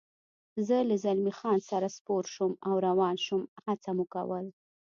زه له زلمی خان سره سپور شوم او روان شو، هڅه مو کول.